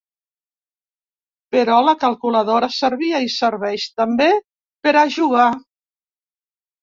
Però la calculadora servia i serveix també per a jugar.